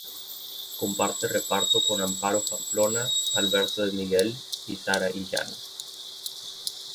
Comparte reparto con Amparo Pamplona, Alberto de Miguel y Sara Illán.